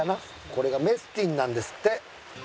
これがメスティンなんですって。